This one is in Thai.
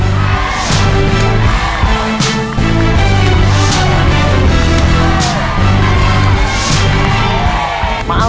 มาเอาชีวิตดีมาก